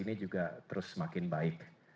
ini juga terus semakin baik